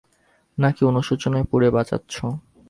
নাকি অনুশোচনায় পুড়ে বাঁচাচ্ছো?